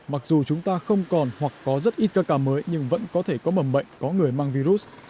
mặc dù chúng ta không còn hoặc có rất ít ca mới nhưng vẫn có thể có mầm bệnh có người mang virus